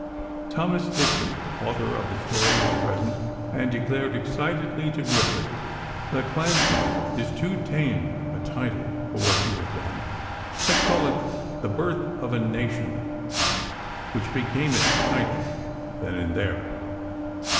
Thomas Dixon, author of the story, was present, and declared excitedly, to Griffith: "'The Clansman' is too tame a title for what you have done. Let's call it 'The Birth of a Nation,'" which became its title, then and there.